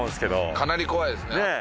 かなり怖いですね。